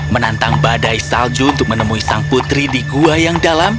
menantang badai salju untuk menemui sang putri di gua yang dalam